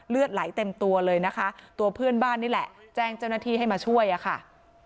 เลือดไหลเต็มตัวเลยนะคะตัวเพื่อนบ้านนี่แหละแจ้งเจ้าหน้าที่ให้มาช่วยอะค่ะ